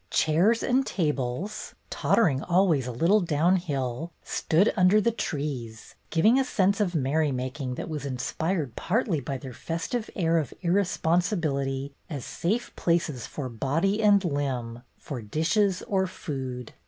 Chairs and tables, tottering always a little down hill, stood under the trees, giving a sense of merrymaking that was inspired partly by their festive air of irresponsibility as safe places for body and limb, for dishes or food.